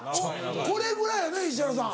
これぐらいやね石原さん。